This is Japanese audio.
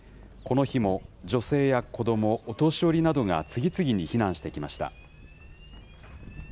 この日も女性や子ども、お年寄りなどが次々に避難してきました。